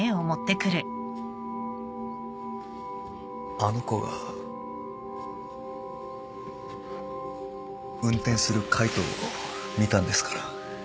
あの子が運転する海藤を見たんですから。